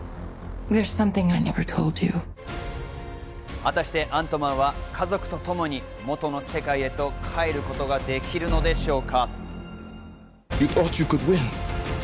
果たしてアントマンは家族とともに元の世界へと帰ることができるのでしょうか？